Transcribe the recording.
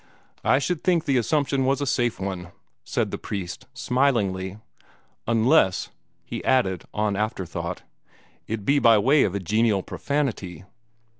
"I should think the assumption was a safe one," said the priest, smilingly, "unless," he added on afterthought, "it be by way of a genial profanity.